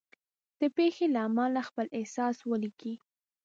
د پېښې له امله خپل احساس ولیکئ.